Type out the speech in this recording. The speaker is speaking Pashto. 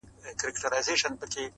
دلته رنګین، رنګین خوبونه لیدل،